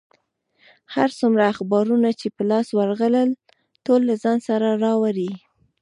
هر څومره اخبارونه چې په لاس ورغلل، ټول له ځان سره راوړي.